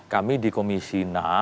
kami di komisi enam